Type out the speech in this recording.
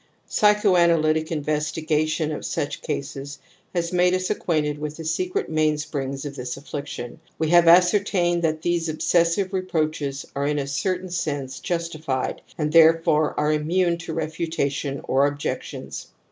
Psychoanalytic investigation of such cases has made us acquainted with the secret mainsprings of this affliction. We have ascertained that these obsessive reproaches are in a certain sense" justified and therefore are immune to refutation or objections.